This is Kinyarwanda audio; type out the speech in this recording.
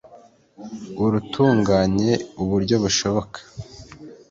urutunganye uburyo bushoboka